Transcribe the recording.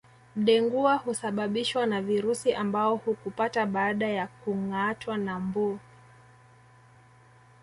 Dengua husababishwa na virusi ambao hukupata baada ya kungâatwa na mbu